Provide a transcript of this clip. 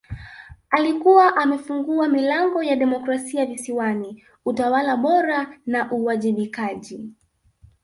Alikuwa amefungua milango ya demokrasia Visiwani utawala bora na uwajibikaji